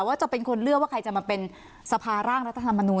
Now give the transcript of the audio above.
ว่าจะเป็นคนเลือกว่าใครจะมาเป็นสภาร่างรัฐธรรมนูล